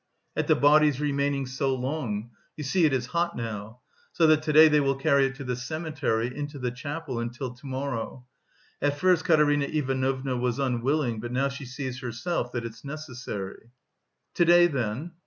"At the body's remaining so long. You see it is hot now. So that, to day, they will carry it to the cemetery, into the chapel, until to morrow. At first Katerina Ivanovna was unwilling, but now she sees herself that it's necessary..." "To day, then?"